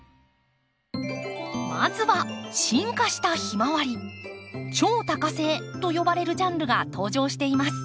まずは進化したヒマワリ超多花性と呼ばれるジャンルが登場しています。